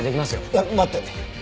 いや待って。